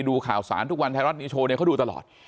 ดูข่าวสารทุกวันไทยรัฐนิวโชว์เนี่ยเขาดูตลอด